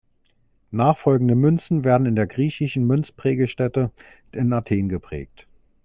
Nachfolgende Münzen werden in der griechischen Münzprägestätte in Athen geprägt.